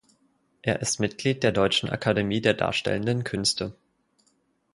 Er ist Mitglied der Deutschen Akademie der Darstellenden Künste.